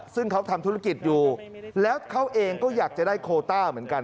ซึ่งเขาทำธุรกิจอยู่แล้วเขาเองก็อยากจะได้โคต้าเหมือนกัน